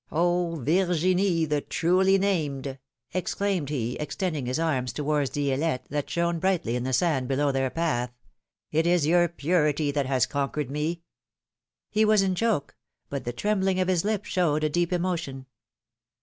Oh! Virginie, the truly named !" exclaimed he, extending his arms towards Di^lette, that shone brightly in the sand below their path, it is your purity that has conquered me." He was in joke, but the trembling of his lips showed a deep emotion.